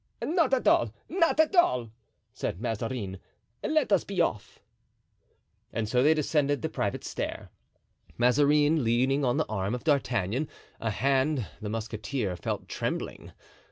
"Not at all, not at all," said Mazarin; "let us be off." And so they descended the private stair, Mazarin leaning on the arm of D'Artagnan a hand the musketeer felt trembling.